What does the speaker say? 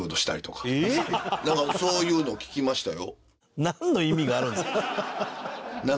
そういうの聞きましたよ。